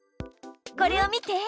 これを見て！